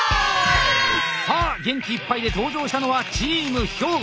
さあ元気いっぱいで登場したのはチーム兵庫！